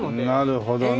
なるほどね。